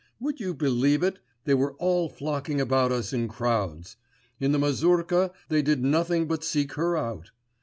Would you believe it, they were all flocking about us in crowds; in the mazurka they did nothing but seek her out.